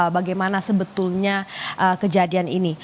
bagaimana sebetulnya kejadian ini